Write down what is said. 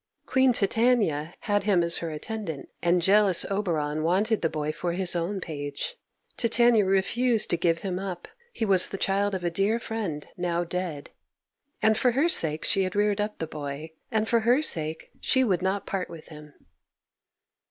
Queen Titania had him as her attendant, and jealous Oberon wanted the boy for his own page. Titania refused to give him up; he was the child of a dear friend, now dead, and for her sake she had reared up the boy, and for her sake she would not part with him.